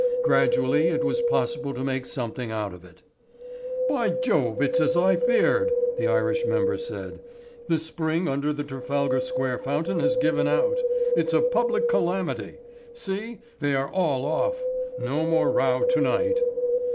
Gradually it was possible to make something out of it. "By Jove, it's as I feared," the Irish member said. "The spring under the Trafalgar Square fountain has given out. It's a public calamity. See, they are all off. No more row to night."